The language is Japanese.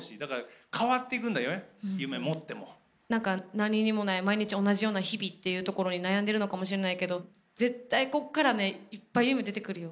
何にもない毎日同じような日々っていうところに悩んでるのかもしれないけど絶対、ここからねいっぱい夢出てくるよ。